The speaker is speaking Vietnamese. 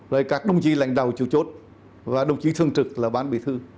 rồi các đồng chí lãnh đạo chủ chốt và đồng chí thương trực là ban bí thư